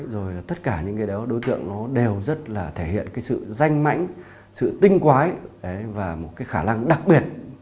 rồi tất cả những đối tượng đều rất là thể hiện sự danh mảnh sự tinh quái và một khả năng đặc biệt